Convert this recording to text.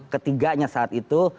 ketiganya saat itu